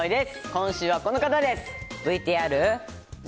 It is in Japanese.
今週はこの方です。